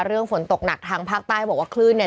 เรื่องฝนตกหนักทางภาคใต้บอกว่าคลื่นเนี่ย